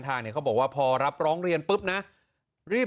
ก็ราบว่าพอรับร้องเรียนลงไปดำเนินการทันทีเลย